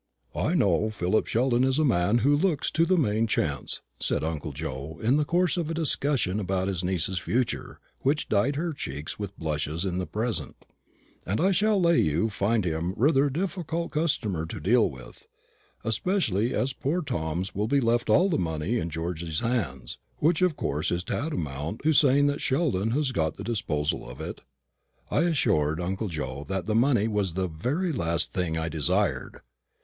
"I know Phil Sheldon is a man who looks to the main chance," said uncle Joe, in the course of a discussion about his niece's future which dyed her cheeks with blushes in the present; "and I'll lay you'll find him rather a difficult customer to deal with, especially as poor Tom's will left all the money in Georgy's hands, which of course is tantamount to saying that Sheldon has got the disposal of it." I assured uncle Joe that money was the very last thing which I desired.